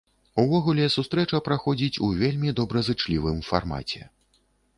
Увогуле, сустрэча праходзіць у вельмі добразычлівым фармаце.